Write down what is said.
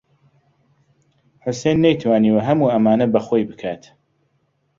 حوسێن نەیتوانیوە هەموو ئەمانە بە خۆی بکات.